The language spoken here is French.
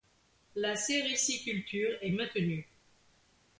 La sériciculture est maintenue.